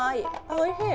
おいしい。